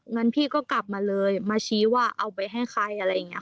เงินพี่ก็กลับมาเลยมาชี้ว่าเอาไปให้ใครอะไรอย่างนี้